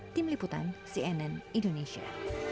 tim liputan cnn indonesia